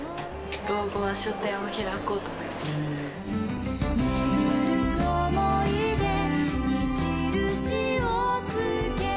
老後は書店を開こうと思います。